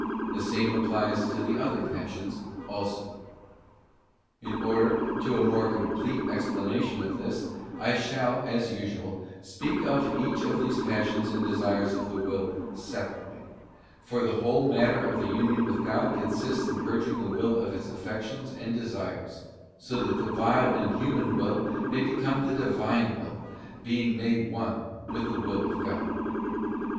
The same applies to the other passions also. In order to a more complete explanation of this I shall, as usual, speak of each of these passions and desires of the will separately, for the whole matter of Union with God consists in purging the will of its affections and desires, so that the vile and human will may become the Divine Will, being made one with the Will of God.